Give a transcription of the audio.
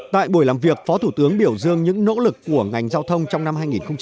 tại buổi làm việc phó thủ tướng biểu dương những nỗ lực của ngành giao thông trong năm hai nghìn hai mươi